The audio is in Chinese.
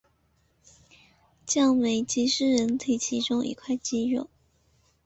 降眉肌是人体其中一块肌肉。